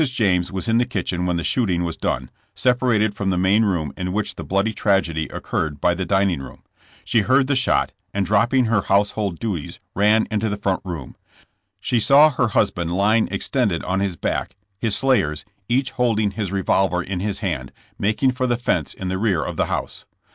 James was in the kitchen when the shooting was done, separated from the room in which the bloody tragedy occurred by the dining room. She heard the shot, and dropping her household duties ran into the front room. She saw her husband lying extended ^ his back, his slayers, each holding his revolver ih his hand, making for the fence in the rear of the house.